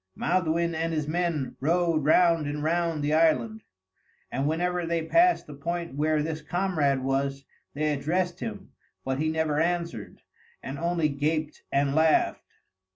Maelduin and his men rowed round and round the island, and whenever they passed the point where this comrade was, they addressed him, but he never answered, and only gaped and laughed.